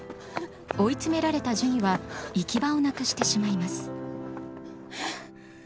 追い詰められたジュニは行き場をなくしてしまいます。